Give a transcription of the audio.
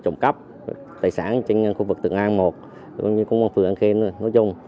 trộm cắp tài sản trên khu vực thượng an một cũng như công an phường an khen nói chung